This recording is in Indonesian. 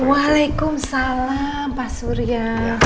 waalaikumsalam pak surya